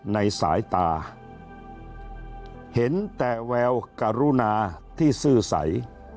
ในสายตาเห็นแต่แววกรุณาที่ซื่อใส